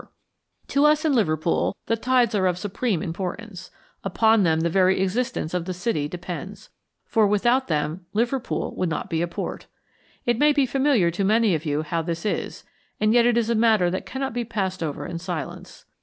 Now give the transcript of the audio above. The Mersey] To us in Liverpool the tides are of supreme importance upon them the very existence of the city depends for without them Liverpool would not be a port. It may be familiar to many of you how this is, and yet it is a matter that cannot be passed over in silence.